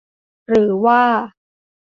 หรือว่า